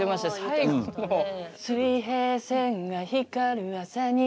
「水平線が光る朝に」